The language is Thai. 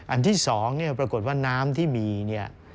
อันที่๒ปรากฏว่าน้ำที่มี